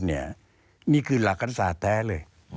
นี่คือหลักอันสานแท้เลย